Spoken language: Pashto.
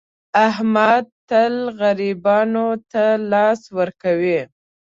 احمد تل غریبانو ته لاس ور کوي.